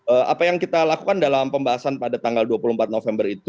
apa yang kita lakukan dalam pembahasan pada tanggal dua puluh empat november itu